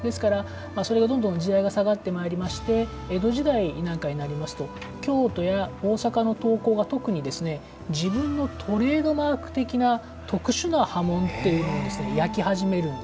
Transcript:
それがどんどん時代が下がってまいりまして江戸時代になりますと京都や大阪の刀工が自分のトレードマーク的な特殊な刃文というのを焼き始めるんです。